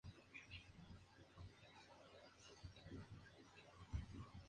En química, son útiles como auxiliares de Evans, que son usados para síntesis quiral.